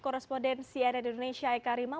korresponden cna di indonesia eka rima